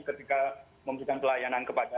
ketika memberikan pelayanan kepada